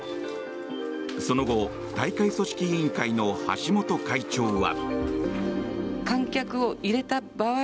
その後、大会組織委員会の橋本会長は。